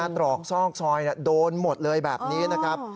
ตรอกซอกซอยโดนหมดเลยแบบนี้นะครับ